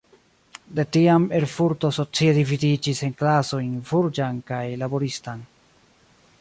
De tiam Erfurto socie dividiĝis en klasojn burĝan kaj laboristan.